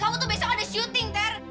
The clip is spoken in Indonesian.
kamu tuh besok ada syuting ter